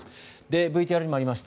ＶＴＲにもありました